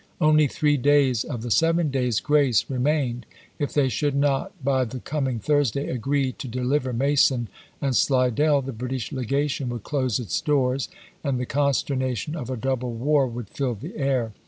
Only three days of the seven days' grace remained; if they should not by the coming Thursday agree to deliver Mason and Slidell, the British legation would close its doors, and the consternation of a double war would fill the air.